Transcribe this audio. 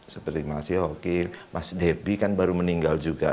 seperti mas yokir mas debbie kan baru meninggal juga